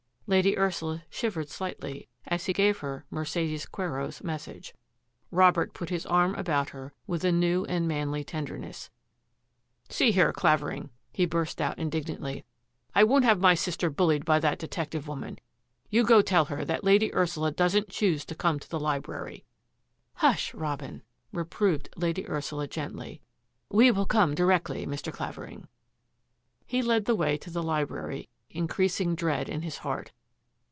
Lady Ursula shivered slightly as he gave her Mercedes Quero's message. Robert put his arm about her with a new and manly tenderness. See here, Mr. Clavering," he burst out in (( THE CONFESSION 847 t dignantly, " I won't have my sister bullied by that detective woman. You go tell her that Lady Ursula doesn't choose to come to the library." " Hush, Robin !" reproved Lady Ursula gently. " We will come directly, Mr. Clavering." He led the way to the library, increasing dread in his heart.